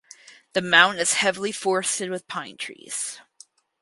The mountain is heavily forested with pine trees.